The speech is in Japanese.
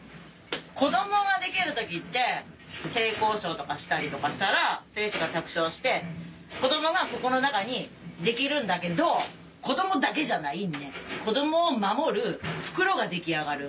子どもができる時って性交渉とかしたりとかしたら精子が着床して子どもがここの中にできるんだけど子どもだけじゃないんね子どもを守る袋が出来上がる。